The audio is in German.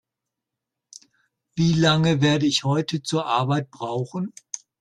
Wie lange werde ich heute zur Arbeit brauchen?